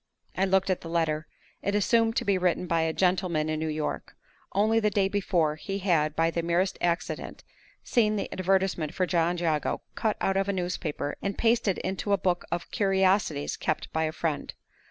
I looked at the letter. It assumed to be written by a gentleman in New York. Only the day before, he had, by the merest accident, seen the advertisement for John Jago cut out of a newspaper and pasted into a book of "curiosities" kept by a friend.